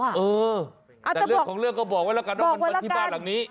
แต่เรื่องของเรื่องก็บอกไว้แล้วกันว่ามันมาที่บ้านหลังนี้